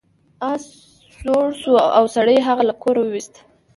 اس زوړ شو او سړي هغه له کوره وویست.